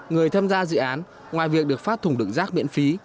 người tham gia dự án ngoài việc được phát thùng đựng rác miễn phí